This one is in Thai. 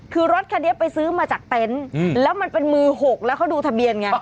คือรถคันนี้ไปซื้อมาจากเต็นต์แล้วมันเป็นมือ๖แล้วเขาดูทะเบียนไง